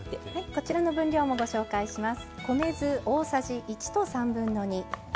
こちらの分量もご紹介します。